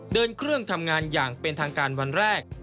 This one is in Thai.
เดินเครื่องทำงานอย่างเป็นทางการวันแรก